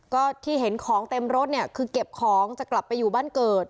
ก็ที่เห็นของเต็มรถเนี่ยคือเก็บของจะกลับไปอยู่บ้านเกิด